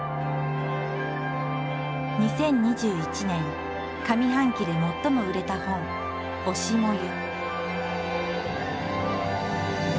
２０２１年上半期で最も売れた本「推し、燃ゆ」。